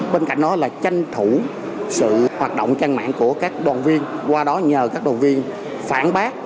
bên cạnh đó là tranh thủ sự hoạt động trang mạng của các đoàn viên qua đó nhờ các đoàn viên phản bác